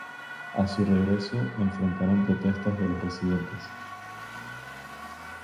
A su regreso enfrentaron protestas de los residentes.